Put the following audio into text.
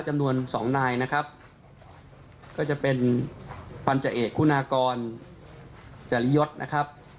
จำนวนสองนายนะครับก็จะเป็นพันธเอกคุณากรจริยศนะครับ